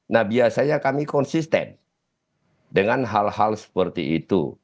nah biasanya kami konsisten dengan hal hal seperti itu